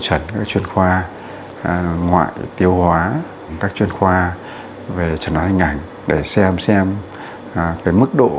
chuẩn các chuyên khoa ngoại tiêu hóa các chuyên khoa về trần án hình ảnh để xem xem cái mức độ